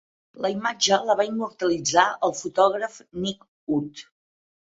La imatge la va immortalitzar el fotògraf Nick Ut.